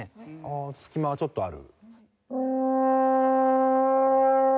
ああ隙間がちょっとある。